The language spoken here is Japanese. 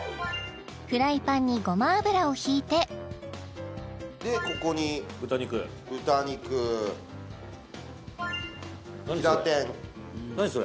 フライパンにごま油をひいてここに豚肉何それ？